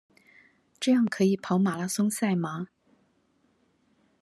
這樣可以跑馬拉松賽嗎？